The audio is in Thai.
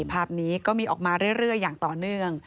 ภาพนี้ก็มีออกมาเรื่อยอย่างต่อเนื่อง